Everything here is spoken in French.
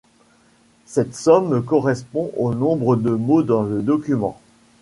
Cette somme correspond au nombre de mots dans le document.